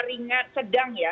mungkin yang ringan sedang ya